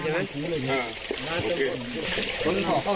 หวานใครอยากกล้า